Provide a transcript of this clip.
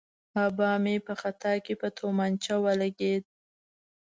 آبا مې په خطا کې په تومانچه ولګېد.